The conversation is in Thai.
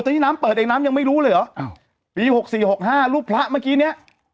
ตอนนี้น้ำเปิดเองน้ำยังไม่รู้เลยเหรออ้าวปีหกสี่หกห้ารูปพระเมื่อกี้เนี้ย